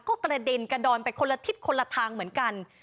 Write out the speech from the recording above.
ก็กระเด็นกระดอนไปคนละทิศคนละทางเหมือนกัน